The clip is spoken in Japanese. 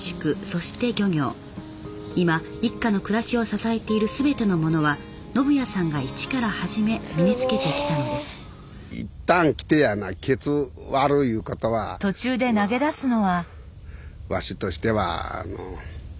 今一家の暮らしを支えている全てのものは信巳さんが一から始め身につけてきたのですうちの